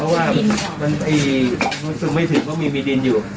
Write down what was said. เพราะว่าสิ่งไม่ถึงก็มีดินอยู่